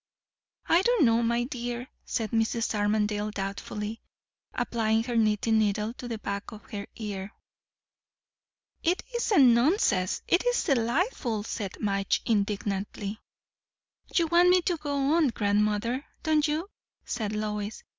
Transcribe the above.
"I don't know, my dear," said Mrs. Armadale doubtfully, applying her knitting needle to the back of her ear. "It isn't nonsense; it is delightful!" said Madge indignantly. "You want me to go on, grandmother, don't you?" said Lois.